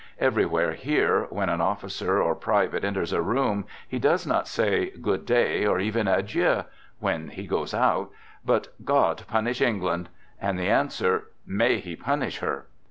Every where here, when an officer or private enters a room, he does not say " Good day," or even " Adieu " when he goes out, but " God punish England !" and the answer, "May He punish her!"